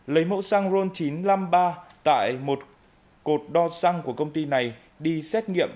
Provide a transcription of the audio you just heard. lấy mẫu xăng ron chín trăm năm mươi ba tại một cột đo xăng của công ty này đi xét nghiệm